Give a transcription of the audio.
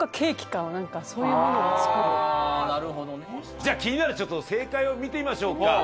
じゃあ気になる正解を見てみましょうか。